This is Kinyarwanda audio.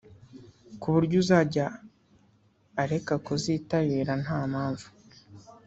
ku buryo uzajya areka kuzitabira nta mpamvu